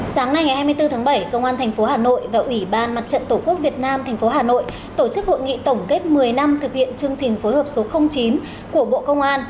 sáng nay ngày hai mươi bốn tháng bảy công an tp hà nội và ủy ban mặt trận tổ quốc việt nam tp hà nội tổ chức hội nghị tổng kết một mươi năm thực hiện chương trình phối hợp số chín của bộ công an